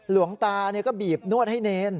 หลวงตาก็บีบนวดให้เนร